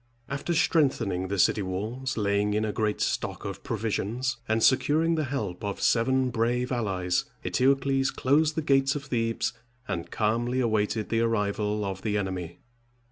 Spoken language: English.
After strengthening the city walls, laying in a great stock of provisions, and securing the help of seven brave allies, Eteocles closed the gates of Thebes, and calmly awaited the arrival of the enemy.